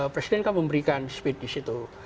presiden kan memberikan speed di situ